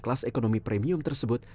kelas ekonomi premium tersebut